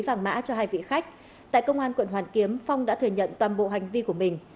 vàng mã cho hai vị khách tại công an quận hoàn kiếm phong đã thừa nhận toàn bộ hành vi của mình